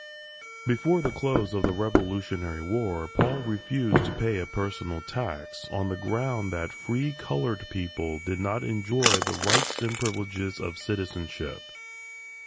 Before the close of the Revolutionary War, Paul refused to pay a personal tax, on the ground that free colored people did not enjoy the rights and privileges of citizenship.